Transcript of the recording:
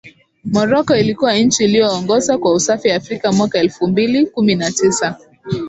Morocco ilikuwa nchi iliyoongoza kwa usafi Afrika mwaka elfu mbili kumi na tisa